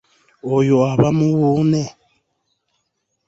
Oyo aba muwuune.